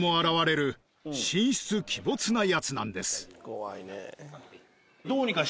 怖いね。